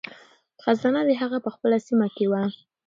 خزانه د هغه په خپله سیمه کې وه.